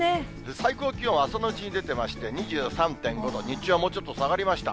最高気温は、朝のうちに出てまして、２３．５度、日中はもうちょっと下がりました。